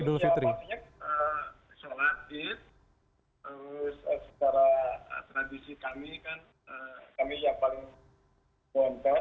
terus secara tradisi kami kan kami yang paling bontot